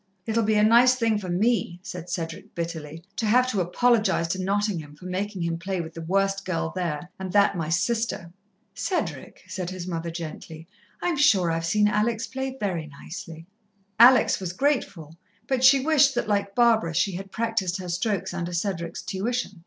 "It'll be a nice thing for me," said Cedric bitterly, "to have to apologize to Nottingham for making him play with the worst girl there, and that my sister." "Cedric," said his mother gently, "I'm sure I've seen Alex play very nicely." Alex was grateful, but she wished that, like Barbara, she had practised her strokes under Cedric's tuition.